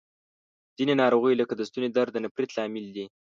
ځینې ناروغۍ لکه د ستوني درد د نفریت لامل دي.